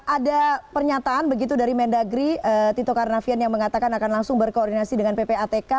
ada pernyataan begitu dari mendagri tito karnavian yang mengatakan akan langsung berkoordinasi dengan ppatk